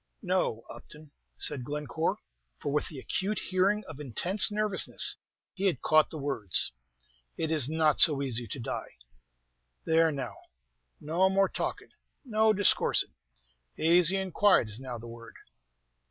"No, Upton," said Glencore; for, with the acute hearing of intense nervousness, he had caught the words. "It is not so easy to die." "There, now, no more talkin', no discoorsin' azy and quiet is now the word."